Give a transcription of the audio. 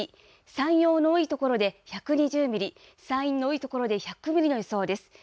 山陽の多い所で１２０ミリ、山陰の多い所で１００ミリの予想です。